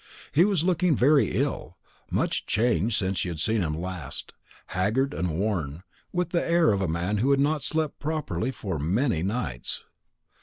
He was looking very ill, much changed since she had seen him last, haggard and worn, with the air of a man who had not slept properly for many nights.